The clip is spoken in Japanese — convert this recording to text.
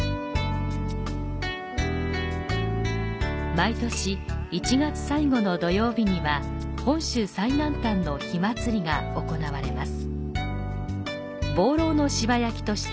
毎年１月最後の土曜日には、本州最南端の火祭りが行われます。